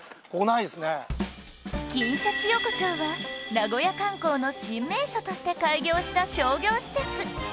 金シャチ横丁は名古屋観光の新名所として開業した商業施設